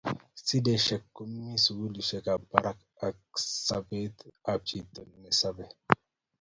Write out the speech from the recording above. sidesiek komii sukulit ap parak ak sapet ap chito nesapei